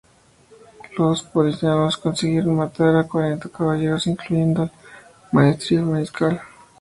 Los prusianos consiguieron matar a cuarenta caballeros, incluyendo al maestre y al mariscal.